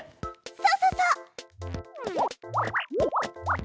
そうそうそう！